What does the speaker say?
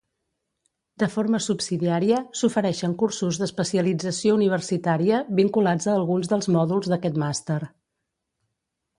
De forma subsidiària s'ofereixen cursos d'especialització universitària vinculats a alguns dels mòduls d'aquest Màster.